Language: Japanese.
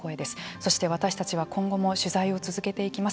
そして私たちは今後も取材を続けていきます。